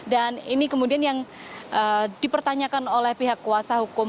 ini kemudian yang dipertanyakan oleh pihak kuasa hukum